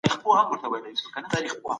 د ذمي ژوند د مسلمان په څېر دی.